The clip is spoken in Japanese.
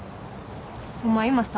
お前今さ。